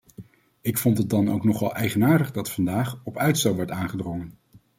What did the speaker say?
Ik vond het dan ook nogal eigenaardig dat vandaag op uitstel werd aangedrongen.